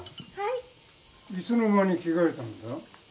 いつの間に着替えたんだ？